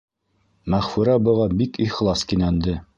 Мәғфүрә быға бик ихлас кинәнде: